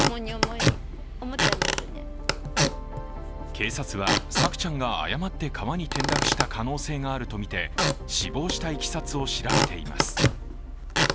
警察は朔ちゃんが誤って川に転落した可能性があるとみて死亡したいきさつを調べています。